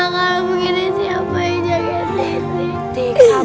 kalo begini siapa yang jaga titik